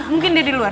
mungkin dia diluar